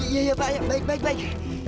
ya ya pak baik baik baik